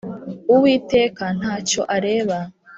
Uwiteka nta cyo areba